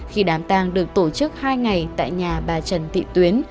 khi đám tang được tổ chức hai ngày tại nhà bà trần thị tuyến